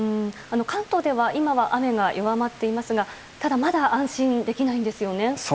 関東では今は雨が弱まっていますがただまだ安心できないんですよね。